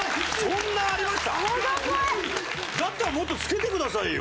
だったらもっとつけてくださいよ！